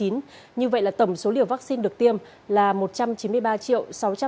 như vậy là tổng số liều vaccine được tiêm là một trăm chín mươi ba sáu trăm hai mươi năm chín mươi năm liều